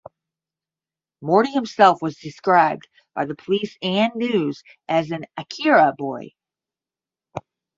Morty himself was described by the police and news as an ""Akira" boy".